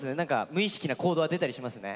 無意識な行動が出たりしますね。